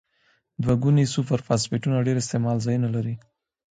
دوه ګونې سوپر فاسفیټونه ډیر استعمال ځایونه لري.